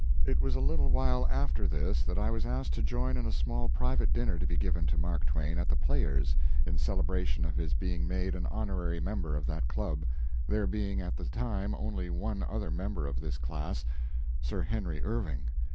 It was a little while after this that I was asked to join in a small private dinner to be given to Mark Twain at the Players, in celebration of his being made an honorary member of that club there being at the time only one other member of this class, Sir Henry Irving.